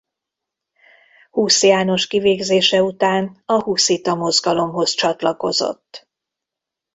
Husz János kivégzése után a huszita mozgalomhoz csatlakozott.